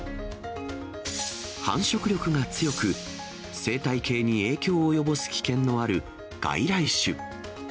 繁殖力が強く、生態系に影響を及ぼす危険のある外来種。